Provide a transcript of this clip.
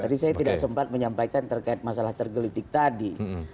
tadi saya tidak sempat menyampaikan terkait masalah tergelitik tadi